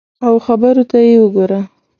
او خبرو ته یې وګوره !